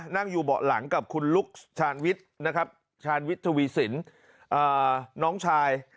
นั่งอยู่เบาะหลังกับคุณลุกชานวิทย์นะครับชาญวิทย์ทวีสินน้องชาย